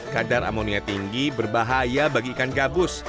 kadar amonia tinggi berbahaya bagi ikan gabus